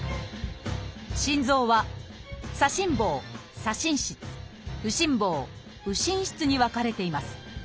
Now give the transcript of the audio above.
心臓は「左心房」「左心室」「右心房」「右心室」に分かれています。